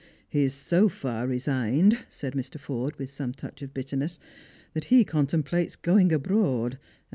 _" He is so far resigned," said Mr. Forde with some touch of bitterness, " that he contemplates going abroad, and.